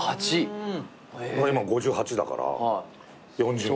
今５８だから４０年。